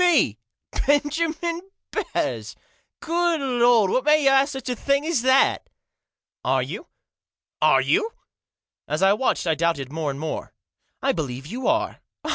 " Me Benjamin Batters ! Good Lord ! What made you ask me such a thing as that ?"" Are you ? Are you ?" As I watched I doubted more and more. " I believe you are."